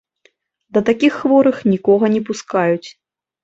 Да такіх хворых нікога не пускаюць.